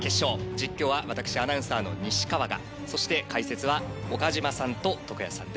実況は私アナウンサーの西川がそして解説は岡島さんと徳谷さんです。